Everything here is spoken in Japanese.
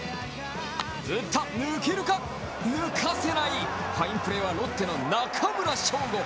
打った、抜けるか、抜かせない、ファインプレーはロッテの中村奨吾。